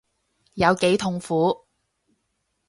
有幾痛苦